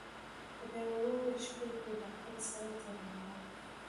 خدای وو ښکلی پیدا کړی سر تر نوکه